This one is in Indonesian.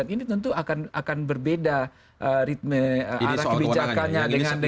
ini tentu akan berbeda ritme arah kebijakannya dengan ini yang lain